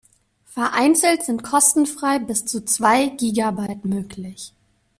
Vereinzelt sind kostenfrei bis zu zwei Gigabyte möglich.